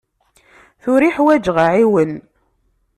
Tura i ḥwaǧeɣ aɛiwen.